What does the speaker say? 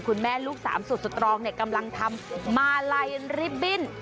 ลูกสามสุดสตรองกำลังทำมาลัยริบบิ้น